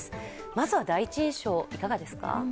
まずは第一印象、いかがですか？